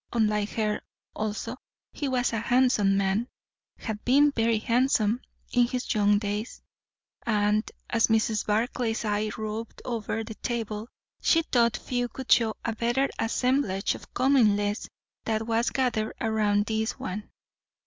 Unlike her, also, he was a handsome man; had been very handsome in his young days; and, as Mrs. Barclay's eye roved over the table, she thought few could show a better assemblage of comeliness than was gathered round this one.